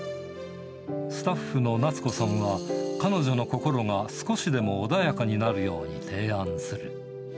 スタッフの奈都子さんは彼女の心が少しでも穏やかになるように提案する。